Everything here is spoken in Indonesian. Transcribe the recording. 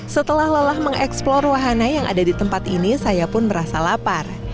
setelah lelah mengeksplor wahana yang ada di tempat ini saya pun merasa lapar